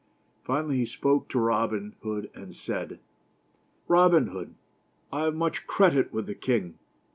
Finally he spoke to Robin Hood and said :" Robin Hood, I have much credit with the king.